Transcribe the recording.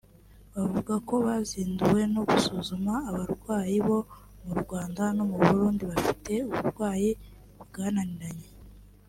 bavuga ko bazinduwe no gusuzuma abarwayi bo mu Rwanda no mu Burundi bafite uburwayi bwananiranye